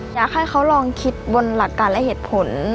อยากให้เขาลองคิดบนหลักการและเหตุผล